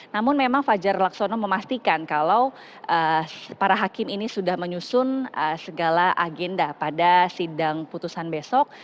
namun memang fajar laksono memastikan kalau para hakim ini sudah menyusun segala agenda pada sidang putusan besok